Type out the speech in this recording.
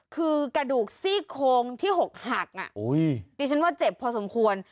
คือกระดูกซี่โคงที่๖หักดิฉันว่าเจ็บพอสมควร